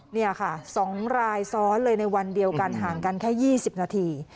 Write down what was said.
นี่ค่ะ๒รายซ้อนเลยในวันเดียวกันห่างกันแค่๒๐นาที